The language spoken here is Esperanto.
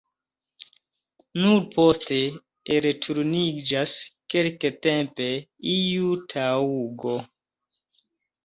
Nur poste elturniĝas kelktempe iu taŭgo.